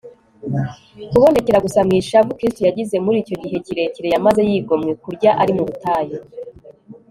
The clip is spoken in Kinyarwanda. kubonekera gusa mu ishavu kristo yagize muri icyo gihe kirekire yamaze yigomwe kurya ari mu butayu